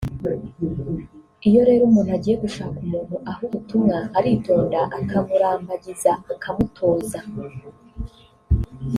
Iyo rero umuntu agiye gushaka umuntu aha ubutumwa aritonda akamurambagiza akamutoza